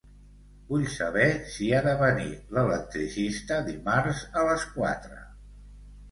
Vull saber si ha de venir l'electricista dimarts a les quatre.